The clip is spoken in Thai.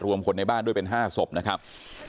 คนในบ้านด้วยเป็น๕ศพนะครับ